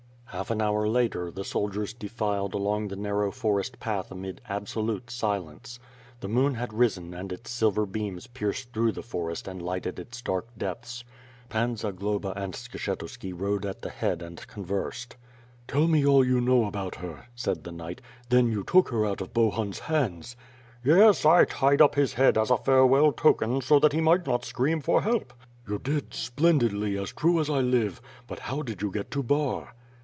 "Half an hour later, the soldiers defiled along the narrow forest path amid absolute silence. The moon had risen and its silver beams pierced through the forest and lighted its dark depths. Pan Zagloba and Skshetuski rode at the head and conversed. "Tell me all you know about her," said the knight. "Then you took her out of Bohun's hands?" "Yes, I tied up his head as a farewell token so that he might not scream for help." "You did splendidly, as true as I live! But how did you get to Bar?"